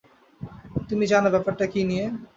তুমি জানো ব্যাপারটা কী নিয়ে।